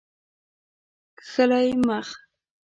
کښلی مخ